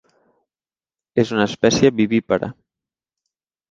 És una espècie vivípara.